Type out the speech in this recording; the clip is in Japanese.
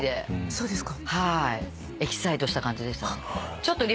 そうですか。